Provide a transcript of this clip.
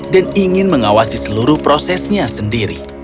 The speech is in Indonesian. dan ingin mengawasi seluruh prosesnya sendiri